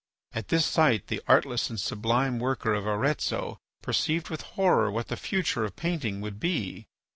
At this sight the artless and sublime worker of Arezzo perceived with horror what the future of painting would be.